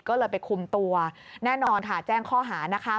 ก็เลยไปคุมตัวแน่นอนค่ะแจ้งข้อหานะคะ